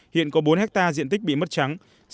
hiện có bốn ha diện tích bị mất trắng